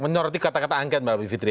menuruti kata kata angket mbak fitri